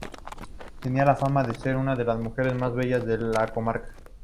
Tenía la fama de ser una de las mujeres más bellas de la comarca.